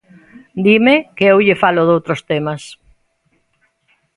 Dime que eu lle falo doutros temas.